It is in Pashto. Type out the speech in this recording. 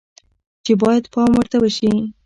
چې باید پام ورته شي